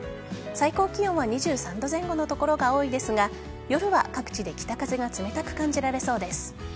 最高気温は２３度前後の所が多いですが夜は各地で北風が冷たく感じられそうです。